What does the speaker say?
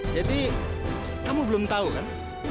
jadi kamu belum tahu kan